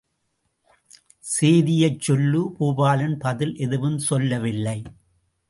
சேதியைச் சொல்லு பூபாலன் பதில் எதுவும் சொல்லவில்லை.